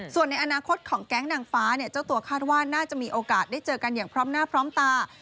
ส่วนในอนาคตของแก๊งนางฟ้าเจ้าตัวคาดว่าน่าจะมีโอกาสได้เจอกันอย่างพร้อมหน้าพร้อมตา